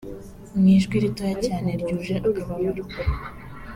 Mu ijwi ritoya cyane ryuje akababaro